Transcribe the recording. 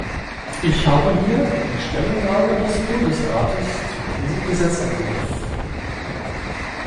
Ich habe hier die Stellungnahme des Bundesrates zu diesem Gesetzesentwurf.